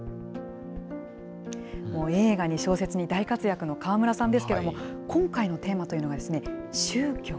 もう映画に小説に大活躍の川村さんですけれども、今回のテーマというのが、宗教。